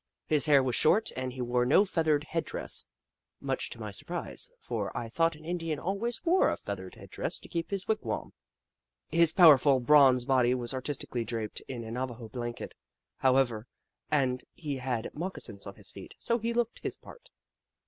His hair was short, and he wore no feathered head dress, much to my surprise, for I thought an Indian always wore a feathered head dress to keep his wigwa'm. His powerful bronze body was artistically draped in a Navajo blanket, however, and he had moccasins on his feet, so he looked his part.